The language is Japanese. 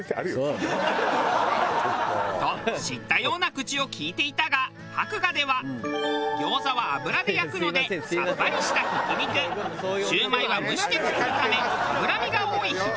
と知ったような口を利いていたが博雅では餃子は油で焼くのでさっぱりしたひき肉シュウマイは蒸して作るため脂身が多いひき肉を使用。